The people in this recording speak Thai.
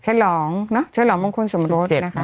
ชะหลอมชะหล่อบางคนก็สมรถ